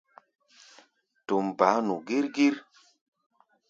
Tum baá nu gír-gír.